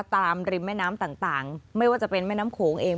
ริมแม่น้ำต่างไม่ว่าจะเป็นแม่น้ำโขงเอง